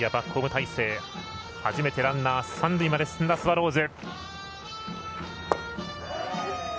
初めてランナー三塁まで進んだスワローズ。